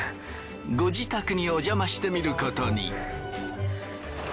ご自宅におじゃましてみることに。